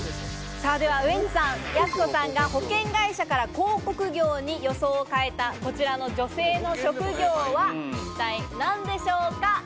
ウエンツさん、やす子さんが保険会社から広告業に予想を変えたこちらの女性の職業は一体何でしょうか？